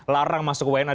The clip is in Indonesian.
larang masuk wnad